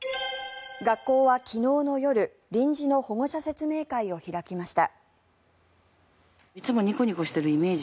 学校は昨日の夜臨時の保護者説明会を開きました。